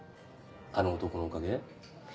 あの男のおかげ？